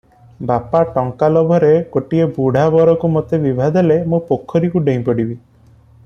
ବାପା ଟଙ୍କା ଲୋଭରେ ଗୋଟାଏ ବୁଢ଼ା ବରକୁ ମୋତେ ବିଭା ଦେଲେ ମୁଁ ପୋଖରୀକୁ ଡେଇଁ ପଡ଼ିବି ।"